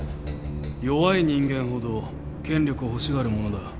弱い人間ほど権力を欲しがるものだ。